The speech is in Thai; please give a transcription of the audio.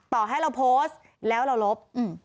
ต่อให้เราโพสต์แล้วเราลบ